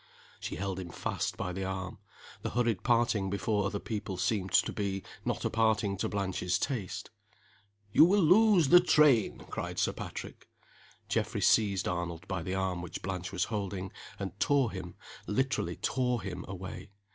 She held him fast by the arm. The hurried parting before other people seemed to be not a parting to Blanche's taste. "You will lose the train!" cried Sir Patrick. Geoffrey seized Arnold by the arm which Blanche was holding, and tore him literally tore him away.